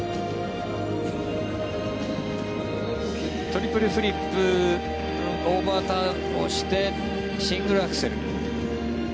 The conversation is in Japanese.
トリプルフリップオーバーターンをしてシングルアクセル。